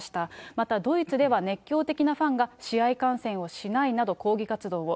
またドイツでは熱狂的なファンが、試合観戦をしないなど、抗議活動を。